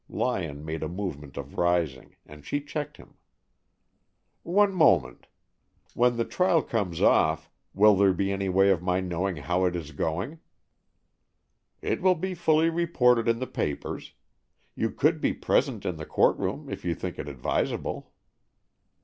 Lyon made a movement of rising, and she checked him. "One moment. When the trial comes off, will there be any way of my knowing how it is going?" "It will be fully reported in the papers. You could be present in the court room if you think it advisable."